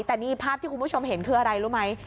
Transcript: แต่นี่ภาพที่คุณผู้ชมเห็นคืออะไรรู้ไหม